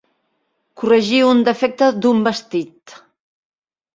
Corregir un defecte d'un vestit.